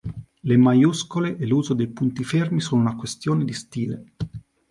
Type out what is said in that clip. Le maiuscole e l'uso dei punti fermi sono una questione di stile.